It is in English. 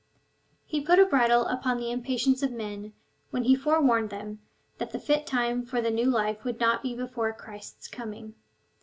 He put a bridle upon the impatience of men, when he forewarned them, that the fit time for the new life^ would not be before Christ's coming.